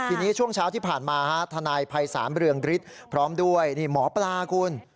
ทีนี้ช่วงเช้าที่ผ่านมาทนายภัยศาลเรืองฤทธิ์พร้อมด้วยนี่หมอปลาคุณ